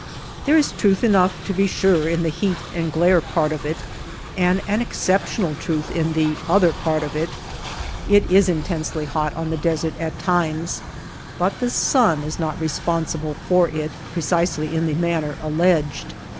There is truth enough, to be sure, in the heat and glare part of it, and an exceptional truth in the other part of it. It is intensely hot on the desert at times, but the sun is not responsible for it precisely in the manner alleged.